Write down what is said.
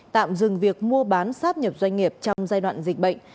tạm dừng việc mua bán sát nhập doanh nghiệp trong giai đoạn dịch bệnh